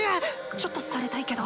ちょっとされたいけど。